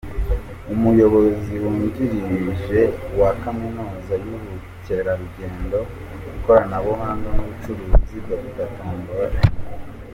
Umuyobozi wungirije wa Kaminuza y’Ubukerarugendo, Ikoranabuhanga n’Ubucuruzi, Dr Tombola M.